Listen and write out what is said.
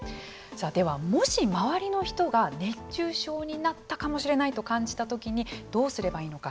ではもし周りの人が熱中症になったかもしれないと感じたときにどうすればいいのか。